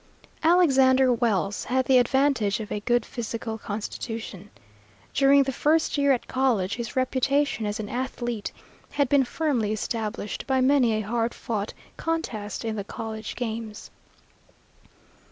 Alexander Wells had the advantage of a good physical constitution. During the first year at college his reputation as an athlete had been firmly established by many a hard fought contest in the college games.